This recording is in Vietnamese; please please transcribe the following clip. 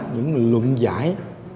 những luận giải